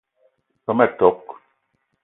Ve ma tok :